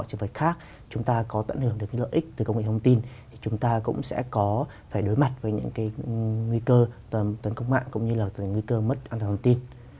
chứ phải khác chúng ta có tận hưởng được cái lợi ích từ công nghệ thông tin thì chúng ta cũng sẽ có phải đối mặt với những cái nguy cơ tấn công mạng cũng như là nguy cơ mất an toàn thông tin